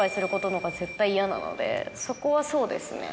そこはそうですね。